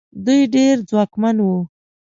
دوی ډېر ځواکمن وو.